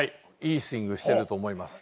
いいスイングしてると思います。